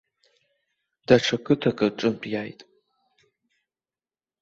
Даҽа қыҭак аҿынтә иааит.